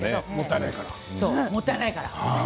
もったいないから？